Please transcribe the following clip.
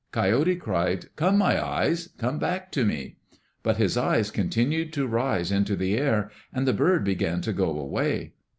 Coyote cried, "Come, my eyes, come back to me." But his eyes continued to rise into the air, and the bird began to go away.